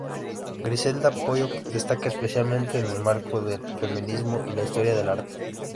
Griselda Pollock destaca especialmente en el marco del feminismo y la historia del arte.